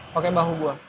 pakai bahu gue